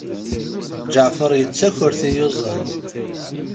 Ǧeɛfer yettaker tiyuẓaḍ.